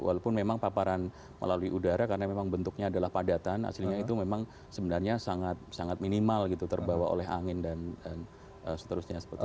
walaupun memang paparan melalui udara karena memang bentuknya adalah padatan aslinya itu memang sebenarnya sangat minimal gitu terbawa oleh angin dan seterusnya